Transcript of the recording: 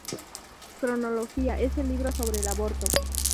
Cronología"," en el libro "Sobre el aborto.